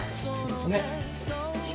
ねっ。